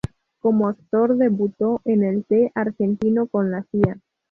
Como actor debutó en el T. Argentino, con la cía.